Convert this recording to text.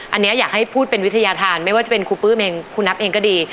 อันนี้อยากให้พูดเป็นวิทยาธารไม่ว่าจะเป็นครูปื้มเองครูนับเองก็ดี